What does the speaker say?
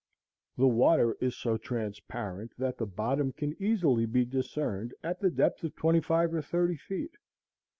The water is so transparent that the bottom can easily be discerned at the depth of twenty five or thirty feet.